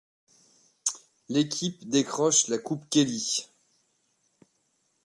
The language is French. L'équipe décroche la Coupe Kelly.